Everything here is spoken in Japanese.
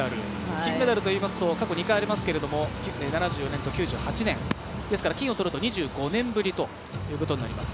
金メダルといいますと過去２回ありますけど７４年と９８年、ですから、金をとると２５年ぶりということになります。